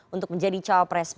untuk menjadi capres